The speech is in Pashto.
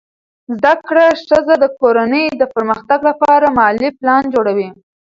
زده کړه ښځه د کورنۍ د پرمختګ لپاره مالي پلان جوړوي.